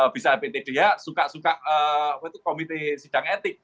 bisa pt dh suka suka komite sidang etik